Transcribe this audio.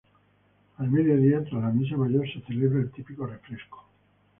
Al mediodía, tras la misa mayor se celebra el típico "refresco".